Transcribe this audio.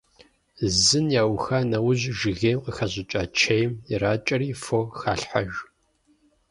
Зын яуха нэужь жыгейм къыхэщӏыкӏа чейм иракӀэри фо халъхьэж.